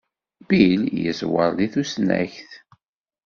Bill yeẓwer di tusnakt.